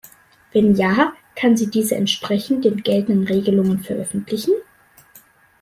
Wenn ja, kann sie diese entsprechend den geltenden Regelungen veröffentlichen?